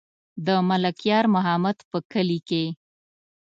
د ملک یار محمد په کلي کې.